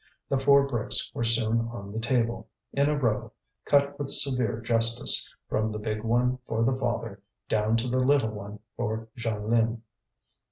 The four bricks were soon on the table, in a row, cut with severe justice, from the big one for the father down to the little one for Jeanlin.